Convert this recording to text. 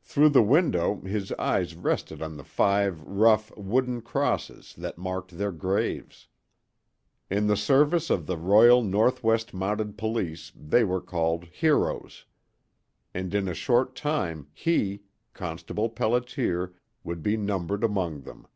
Through the window his eyes rested on the five rough wooden crosses that marked their graves. In the service of the Royal Northwest Mounted Police they were called heroes. And in a short time he, Constable Pelliter, would be numbered among them.